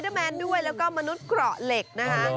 แมนด้วยแล้วก็มนุษย์เกราะเหล็กนะคะ